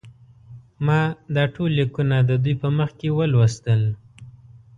ما دا ټول لیکونه د دوی په مخ کې ولوستل.